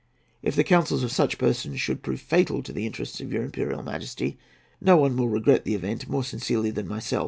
"If the counsels of such persons should prove fatal to the interests of your Imperial Majesty, no one will regret the event more sincerely than myself.